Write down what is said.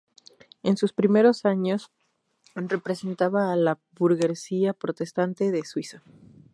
En sus primeros años representaba a la burguesía protestante de Suiza.